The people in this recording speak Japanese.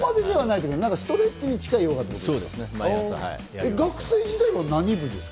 ストレッチに近いヨガってことですか。